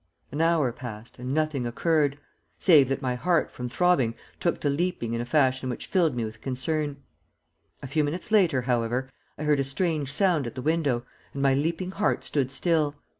An hour passed and nothing occurred, save that my heart from throbbing took to leaping in a fashion which filled me with concern. A few minutes later, however, I heard a strange sound at the window, and my leaping heart stood still.